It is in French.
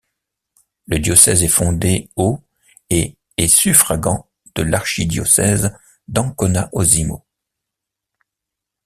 Le diocèse est fondé au et est suffragant de l'archidiocèse d' Ancona-Osimo.